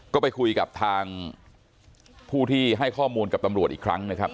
ก็ไปคุยกับทางผู้ที่ให้ข้อมูลกับตำรวจอีกครั้งนะครับ